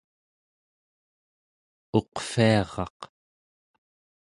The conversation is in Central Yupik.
uqviaraq